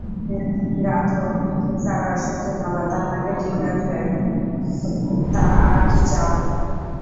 Rathore sir অশেষ ধন্যবাদ আপনাকে ঠিক আছে তা আর কী চাও?